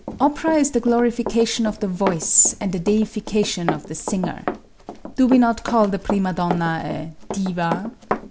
Opera is the glorification of the voice and the deification of the singer. Do we not call the prima donna a diva?